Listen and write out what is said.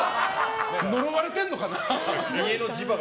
呪われてるのかな？